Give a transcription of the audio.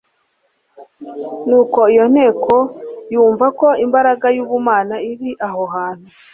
Nuko iyo nteko yumva ko imbaraga y'ubumana iri aho hantu.